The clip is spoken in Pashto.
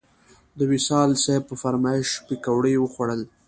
د وصال صیب په فرمایش پکوړې وخوړل.